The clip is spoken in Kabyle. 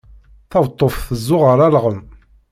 Taweṭṭuft tezzuɣer alɣem.